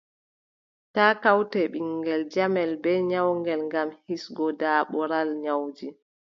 Taa kawte ɓiŋngel jamel bee nyawngel, ngam hisgo daaɓoral nyawuuji.